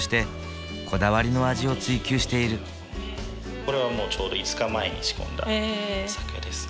これはちょうど５日前に仕込んだお酒ですね。